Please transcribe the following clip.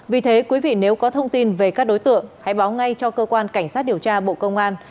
vì thế quý vị nếu có thông tin về các đối tượng hãy báo ngay cho cơ quan cảnh sát điều tra bộ công an